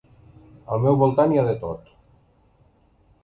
Al meu voltant hi ha de tot.